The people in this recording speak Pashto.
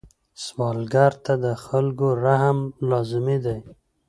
سوالګر ته د خلکو رحم لازمي دی